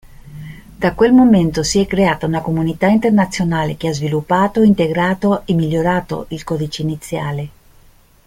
Da quel momento si è creata una comunità internazionale che ha sviluppato, integrato e migliorato il codice iniziale.